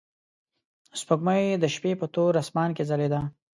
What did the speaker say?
سپوږمۍ د شپې په تور اسمان کې ځلېده.